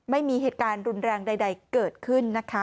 ไม่มีเหตุการณ์รุนแรงใดเกิดขึ้นนะคะ